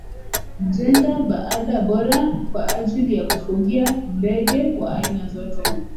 Jenga banda bora kwa ajili ya kufugia ndege wa aina zote